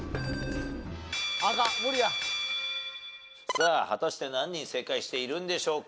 さあ果たして何人正解しているんでしょうか？